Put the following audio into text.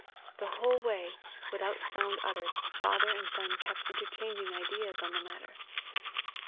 The whole way, without sound uttered, father and son kept interchanging ideas on the matter.